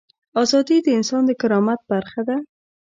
ازادي د انسان د کرامت برخه ده.